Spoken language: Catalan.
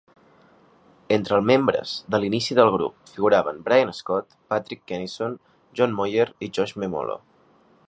Entre el membres de l'inici del grup figuraven Bryan Scott, Patrick Kennison, John Moyer i Josh Memolo.